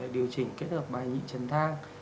điều chỉnh kết hợp bài nhị trần thang